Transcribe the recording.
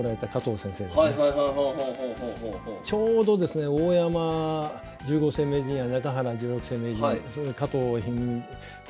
ちょうどですね大山十五世名人や中原十六世名人加藤一二三九